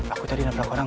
aku tadi nabrak orang ya